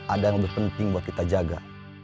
ada yang lebih penting buat kita jaga